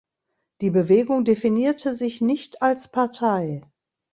Die Bewegung definierte sich nicht als Partei.